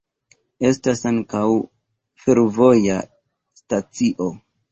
Estas ankaŭ fervoja stacio.